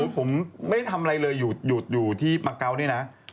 ผมไม่ได้ทำอะไรเลยอยู่ที่มาเกาะนี่นะ